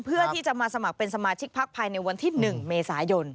เพื่อที่จะมาสมัครเป็นสมาชิกพักภายในวันที่๑เมษายน